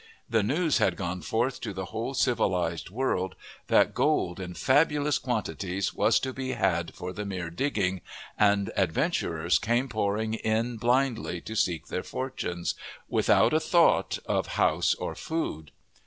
The news had gone forth to the whole civilized world that gold in fabulous quantities was to be had for the mere digging, and adventurers came pouring in blindly to seek their fortunes, without a thought of house or food.